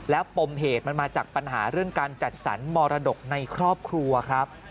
แล้วปมเหตุมันมาจากปัญหาเรื่องการจัดสรรมรดกในครอบครัวครับ